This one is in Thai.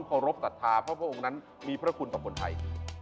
พระองค์นั้นมีพระคุณต่อบนไทย